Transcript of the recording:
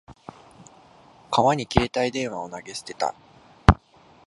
川に携帯電話を投げ捨てた。